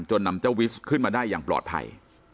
นำเจ้าวิสขึ้นมาได้อย่างปลอดภัย